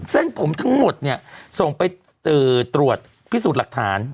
เส้นผมทั้งหมดเนี่ยส่งไปตรวจพิสูจน์หลักฐาน